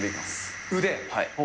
はい。